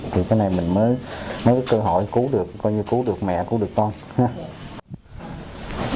thì cái này mình mới có cơ hội cứu được coi như cứu được mẹ cứu được con ha